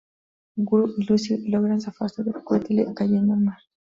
Gru y Lucy logran zafarse del cohete, cayendo al mar.